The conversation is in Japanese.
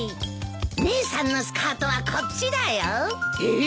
姉さんのスカートはこっちだよ。えっ！？